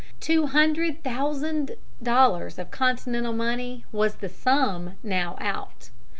Two hundred thousand dollars of Continental money was the sum now out.